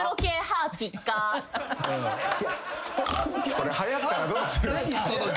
それはやったらどうするんすか。